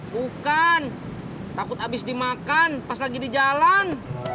bukan takut habis dimakan pas lagi di jalan